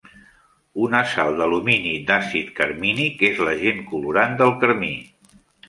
Una sal d'alumini d'àcid carmínic és l'agent colorant del carmí.